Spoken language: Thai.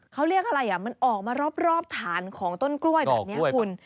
เขาเรียกอะไรอ่ะมันออกมารอบฐานของต้นกล้วยแบบนี้คุณ